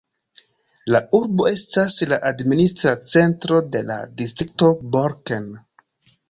La urbo estas la administra centro de la distrikto Borken.